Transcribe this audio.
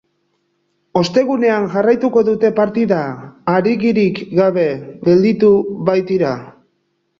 Ostegunean jarraituko dute partida, arigirik gabe gelditu baitira.